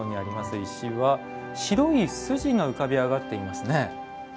石は白い筋が浮かび上がっていますね。